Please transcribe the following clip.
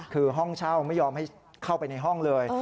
คือห้องเช่าไม่ยอมให้เข้าไปในห้องเลย